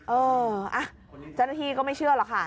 เออเจ้าหน้าที่ก็ไม่เชื่อหรอกค่ะ